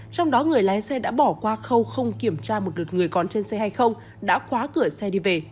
trong đó người lái xe đã bỏ qua khâu không kiểm tra một đợt người có trên xe hay không đã khóa cửa xe đi về